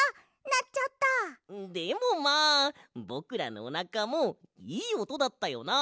でもまあぼくらのおなかもいいおとだったよな。